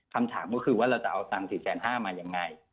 คำถามก็คือว่าเราจะเอาตังค์๔๕๐๐มายังไง